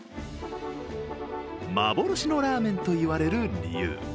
幻のラーメンといわれる理由。